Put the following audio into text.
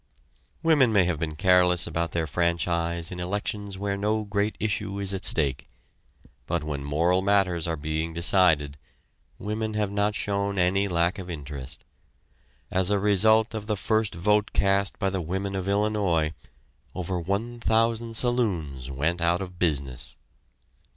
Women may have been careless about their franchise in elections where no great issue is at stake, but when moral matters are being decided women have not shown any lack of interest. As a result of the first vote cast by the women of Illinois over one thousand saloons went out of business.